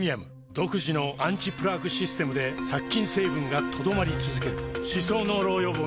独自のアンチプラークシステムで殺菌成分が留まり続ける歯槽膿漏予防に